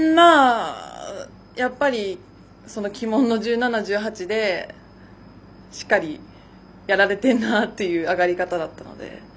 やっぱり鬼門の１７、１８でしっかりやられてんなという上がり方だったので。